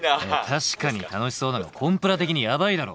確かに楽しそうだがコンプラ的にやばいだろ。